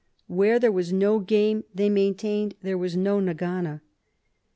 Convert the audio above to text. Where there was no game, they maintained, there was no nag ana.